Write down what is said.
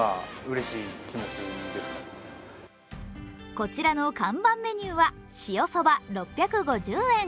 こちらの看板メニューは塩そば６５０円。